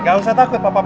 gak usah takut papa